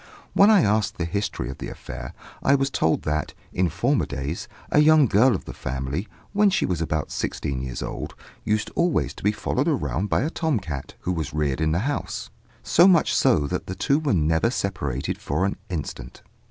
When I asked the history of the affair, I was told that, in former days, a young girl of the family, when she was about sixteen years old, used always to be followed about by a tom cat, who was reared in the house, so much so that the two were never separated for an instant.